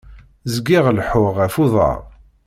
Zgiɣ leḥḥuɣ ɣef uḍar.